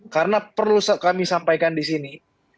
karena perlu kami sampaikan di sini